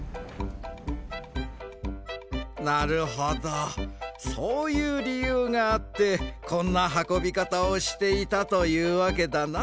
なるほどそういうりゆうがあってこんなはこびかたをしていたというわけだな。